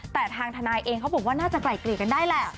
แต่ทางทนายเองเขาบอกว่าน่าจะไกลเกลี่ยกันได้แหละ